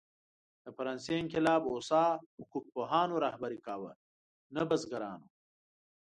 د فرانسې انقلاب هوسا حقوق پوهانو رهبري کاوه، نه بزګرانو.